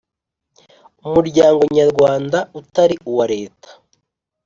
Umuryango nyarwanda utari uwa Leta